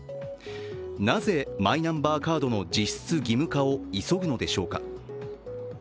なぜマイナンバーカードの実質義務化を急ぐのでしょうか。